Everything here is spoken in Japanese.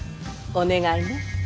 お願いね。